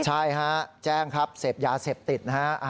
ใช่ครับแจ้งครับเสพยาเสพติดนะครับ